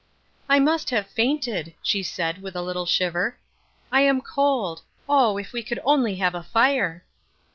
"I must have fainted," she said, with a little shiver. "I am cold. Oh, if we could only have a fire."